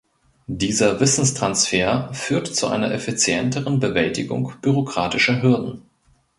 Dieser Wissenstransfer führt zu einer effizienteren Bewältigung bürokratischer Hürden.